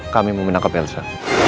kami mau menangkap elsa